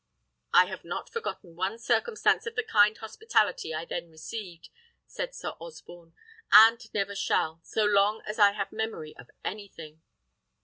"I have not forgotten one circumstance of the kind hospitality I then received," said Sir Osborne, "and never shall, so long as I have memory of anything."